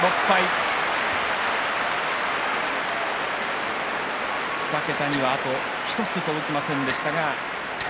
拍手２桁にはあと１つ届きませんでした。